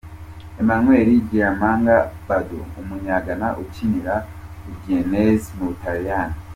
Emmanuel Agyemang , Badu , umunya Ghana ukinira Udinese mu Butaliyani.